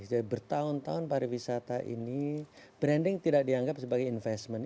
bertahun tahun pariwisata ini branding tidak dianggap sebagai investment